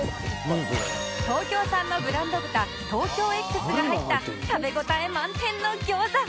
東京産のブランド豚 ＴＯＫＹＯＸ が入った食べ応え満点の餃子！